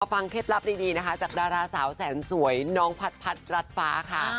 เคล็ดลับดีนะคะจากดาราสาวแสนสวยน้องพัดรัดฟ้าค่ะ